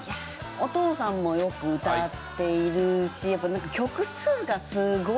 お父さんもよく歌っているしやっぱ曲数がすごい。